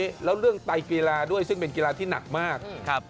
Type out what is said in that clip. จริงเริ่มจาก